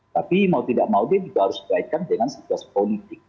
tapi mau tidak mau dia juga harus dikaitkan dengan situasi politik